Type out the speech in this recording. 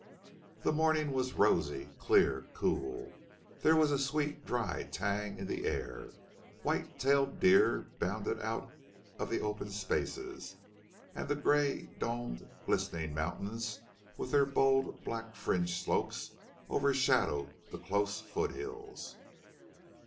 The morning was rosy, clear, cool; there was a sweet, dry tang in the air; white tailed deer bounded out of the open spaces; and the gray domed, glistening mountains, with their bold, black fringed slopes, overshadowed the close foot hills.